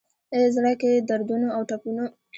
زړه کي دردونو اوټپونو،